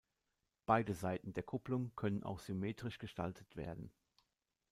Beide Seiten der Kupplung können auch symmetrisch gestaltet werden.